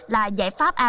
là giải pháp ai